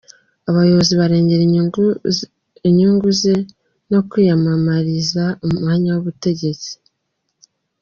abayobozi barengera inyungu ze no kwiyamamariza umwanya w’ubutegetsi